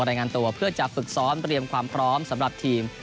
รายงานตัวเพื่อจะฝึกซ้อมเตรียมความพร้อมสำหรับทีม